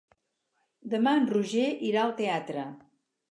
Demà en Roger irà al teatre.